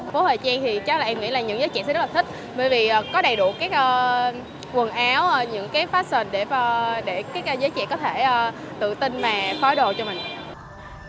phố thời trang thì chắc là em nghĩ là những giấy trẻ sẽ rất là thích bởi vì có đầy đủ các quần áo những cái fashion để các giấy trẻ có thể tự tin mà phói đồ cho mình